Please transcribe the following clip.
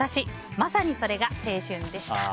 まさに、それが青春でした。